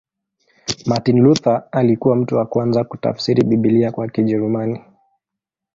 Martin Luther alikuwa mtu wa kwanza kutafsiri Biblia kwa Kijerumani.